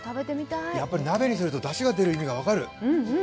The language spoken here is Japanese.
やっぱり鍋にするとだしが出る意味が分かる。